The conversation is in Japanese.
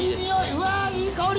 うわーいい香り！